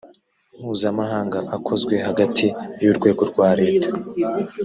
mpuzamahanga akozwe hagati y urwego rwa leta